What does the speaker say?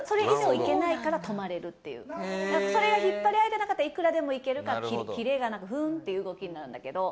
それが引っ張り合えてなかったらいくらでも行けるからキレがなくふんって動きになるんだけど。